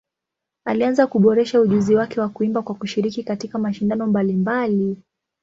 Alianza kuboresha ujuzi wake wa kuimba kwa kushiriki katika mashindano mbalimbali.